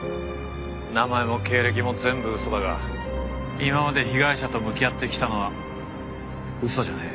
名前も経歴も全部嘘だが今まで被害者と向き合ってきたのは嘘じゃねえ。